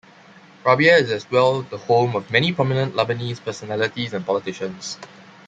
Rabieh is as well the home of many prominent Lebanese personalities and politicians.